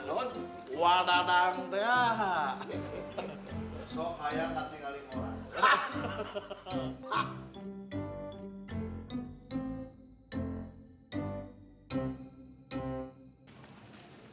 uang dadang tih calong ya losses